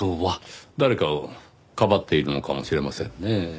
誰かをかばっているのかもしれませんねぇ。